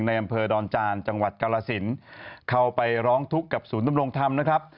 อำเภอดอนจานจังหวัดกาลสินเข้าไปร้องทุกข์กับศูนย์ดำรงธรรมนะครับ